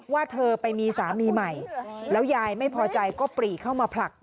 ว่าเธอไปมีสามีใหม่แล้วยายไม่พอใจก็ปรีเข้ามาผลัก